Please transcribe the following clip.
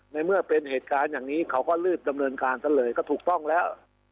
ในเมื่อเป็นเหตุการณ์อย่างนี้เขาก็รีบดำเนินการซะเลยก็ถูกต้องแล้ว